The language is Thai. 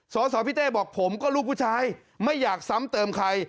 สสพี่เต้บอกผมก็ลูกผู้ชายไม่อยากซ้ำเติมใคร